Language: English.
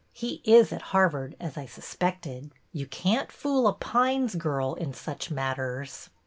He is at Harvard, as I suspected. You can't fool a Pines girl in such matters.